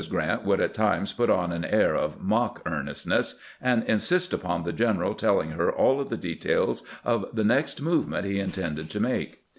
Grant would at times put on an air of mock earnestness, and insist upon the general telling her all of the details of the next movement he intended to make.